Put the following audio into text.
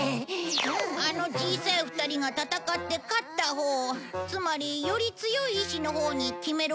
あの小さい２人が戦って勝ったほうつまりより強い意志のほうに決めることができるんだ。